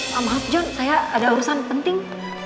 pak maaf john saya ada urusan penting